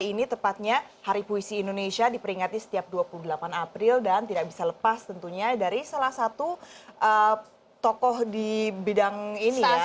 ini tepatnya hari puisi indonesia diperingati setiap dua puluh delapan april dan tidak bisa lepas tentunya dari salah satu tokoh di bidang ini ya